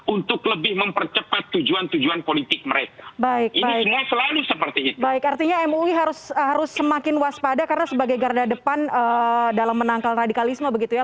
untuk lebih mempercepat tujuan tujuan agama kita